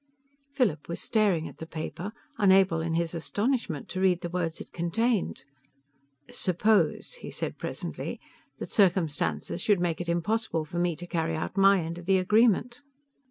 Philip was staring at the paper, unable, in his astonishment, to read the words it contained. "Suppose," he said presently, "that circumstances should make it impossible for me to carry out my end of the agreement?"